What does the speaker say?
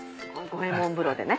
五右衛門風呂でね。